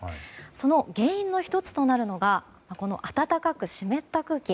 その原因の１つとなるのが暖かく湿った空気。